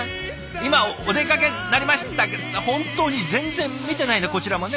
今お出かけになりましたけど本当に全然見てないねこちらもね。